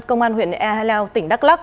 công an huyện e haleo tỉnh đắk lắk